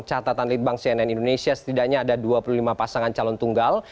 catatan litbang cnn indonesia setidaknya ada dua puluh lima pasangan calon tunggal